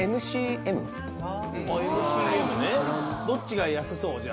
どっちが安そう？